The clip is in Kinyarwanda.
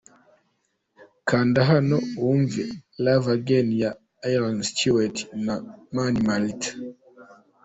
Kanda hano wumve 'Love again' ya Iain Stewart na Mani Martin .